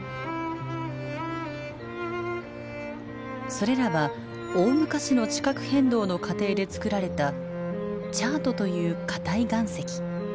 それらは大昔の地殻変動の過程でつくられたチャートという硬い岩石。